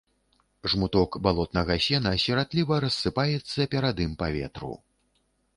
Жмуток балотнага сена сіратліва рассыпаецца перад ім па ветру.